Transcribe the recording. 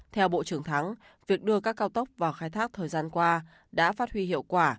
theo bộ trưởng thắng việc đưa các cao tốc vào khai thác thời gian qua đã phát huy hiệu quả